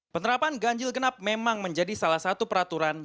penerapan ganjil genap memang menjadi salah satu peraturan